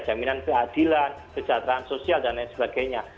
jaminan keadilan kesejahteraan sosial dan lain sebagainya